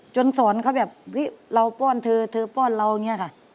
จนสอนเค้าแบบเฮ้ยเราป้อนเธอเธอป้อนเราเนี่ยค่ะ